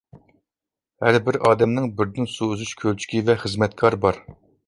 ھەربىر ئادەمنىڭ بىردىن سۇ ئۈزۈش كۆلچىكى ۋە خىزمەتكار بار.